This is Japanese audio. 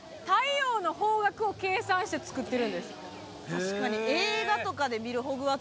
確かに。